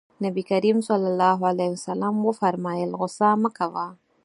نبي کريم ص وفرمايل غوسه مه کوه.